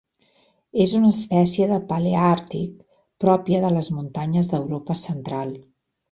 És una espècie del paleàrtic, pròpia de les muntanyes d'Europa Central.